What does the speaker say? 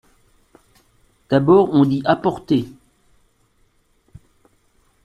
D’abord on dit apporter…